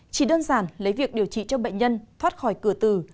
chỉ đơn giản lấy việc điều trị cho bệnh nhân thoát khỏi cửa tử